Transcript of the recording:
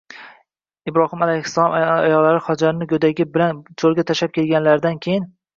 Ibrohim alayhissalom ayollari Hojarni go‘dagi bilan cho‘lga tashlab kelganlaridan keyin